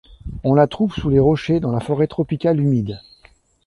On la trouve sous les rochers dans la forêt tropicale humide.